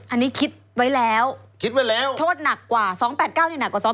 อันนี้คิดไว้แล้วคิดไว้แล้วโทษหนักกว่า๒๘๙นี่หนักกว่า๒๐